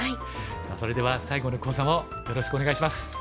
それでは最後の講座もよろしくお願いします。